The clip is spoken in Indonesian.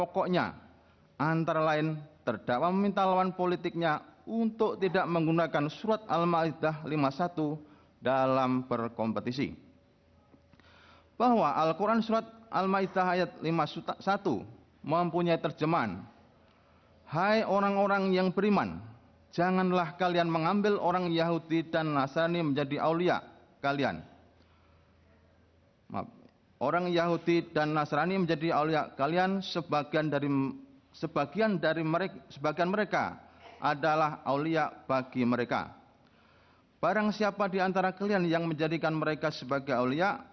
kepulauan seribu kepulauan seribu